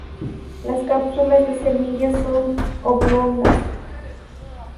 Las cápsulas de semillas son oblongas.